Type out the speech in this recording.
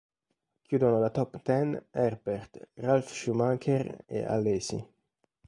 Chiudono la top ten Herbert, Ralf Schumacher e Alesi.